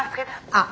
あっ。